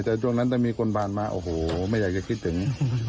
แต่ช่วงนั้นถ้ามีคนผ่านมาโอ้โหไม่อยากจะคิดถึง